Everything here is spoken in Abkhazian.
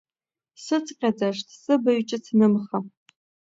Сыцҟьаӡашт, сыбаҩҷыц нымха.